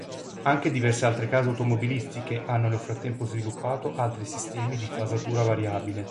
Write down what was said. Anche diverse altre Case automobilistiche hanno nel frattempo sviluppato altri sistemi di fasatura variabile.